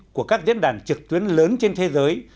của các diễn đàn trực tuyến lớn trên thế giới